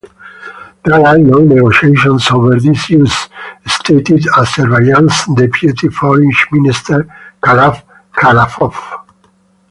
There are no negotiations over this issue, stated Azerbaijan's deputy foreign minister Khalaf Khalafov.